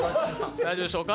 大丈夫でしょうか。